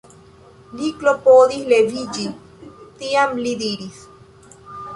Li klopodis leviĝi, tiam li diris: